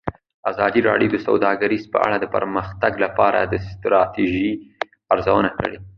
ازادي راډیو د سوداګري په اړه د پرمختګ لپاره د ستراتیژۍ ارزونه کړې.